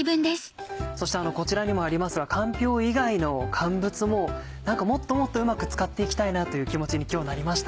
そしてこちらにもありますがかんぴょう以外の乾物ももっともっとうまく使っていきたいなという気持ちに今日なりました。